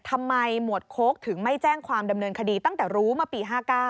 หมวดโค้กถึงไม่แจ้งความดำเนินคดีตั้งแต่รู้เมื่อปี๕๙